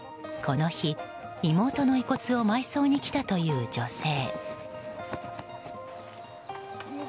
この日、妹の遺骨を埋葬に来たという女性。